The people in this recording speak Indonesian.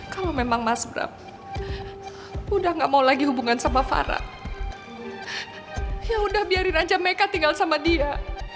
kalau memang mas bram udah gak mau lagi hubungan sama farah ya udah biarin aja make tinggal sama dia